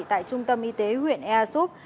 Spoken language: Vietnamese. tại trung tâm y tế huyện ea xúc